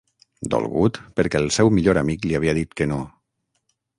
Dolgut perquè el seu millor amic li havia dit que no.